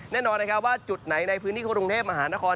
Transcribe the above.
แน่นอนนะครับว่าจุดไหนในพื้นที่กรุงเทพมหานคร